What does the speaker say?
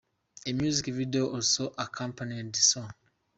A music video also accompanied the song.